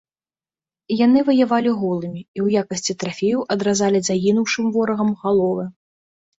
Яны ваявалі голымі і ў якасці трафеяў адразалі загінуўшым ворагам галовы.